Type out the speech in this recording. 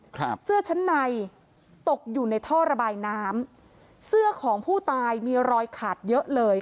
ครับเสื้อชั้นในตกอยู่ในท่อระบายน้ำเสื้อของผู้ตายมีรอยขาดเยอะเลย